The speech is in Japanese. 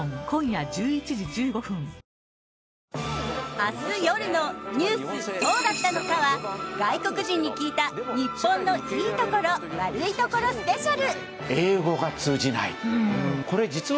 明日夜の「ニュースそうだったのか！！」は外国人に聞いた日本のいいところ悪いところスペシャル！